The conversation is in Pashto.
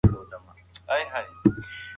ما خپل ورور ته د پیاده تګ ګټې په تفصیل بیان کړې.